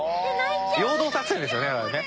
陽動作戦ですよねだからね。